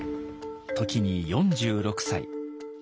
時に４６歳。